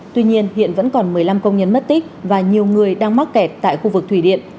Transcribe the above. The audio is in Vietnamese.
tuy nhiên hiện vẫn còn một mươi năm công nhân mất tích và nhiều người đang mắc kẹt tại khu vực thủy điện